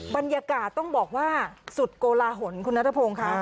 บรรยากาศต้องบอกว่าสุดโกลาหลคุณนัทพงศ์ค่ะ